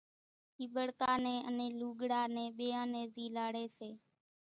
ٺيٻڙڪا نين انين لوڳڙا نين ٻيئان نين زيلاڙي سي